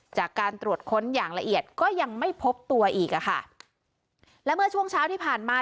จากการตรวจค้นอย่างละเอียดก็ยังไม่พบตัวอีกอ่ะค่ะและเมื่อช่วงเช้าที่ผ่านมา